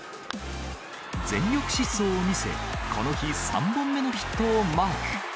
全力疾走を見せ、この日３本目のヒットをマーク。